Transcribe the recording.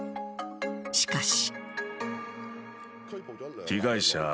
しかし。